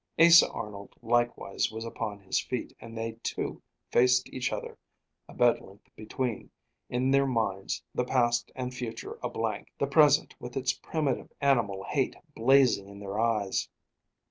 Asa Arnold likewise was upon his feet and they two faced each other, a bed length between; in their minds the past and future a blank, the present with its primitive animal hate blazing in their eyes.